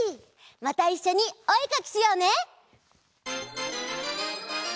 またいっしょにおえかきしようね！